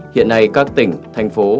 hiện nay các tỉnh thành phố